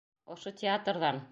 Ошо театрҙан!